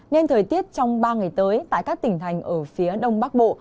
nên thời tiết trong ba ngày tới tại các tỉnh thành ở phía đông bắc bộ